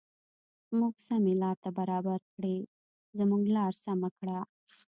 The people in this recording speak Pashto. موږ سمې لارې ته برابر کړې زموږ لار سمه کړه.